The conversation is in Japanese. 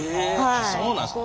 あっそうなんですか。